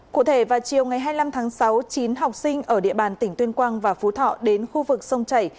cụ thể vào chiều ngày hai mươi năm tháng sáu chín học sinh ở địa bàn tỉnh tuyên quang và phú thọ đến khu vực sông chảy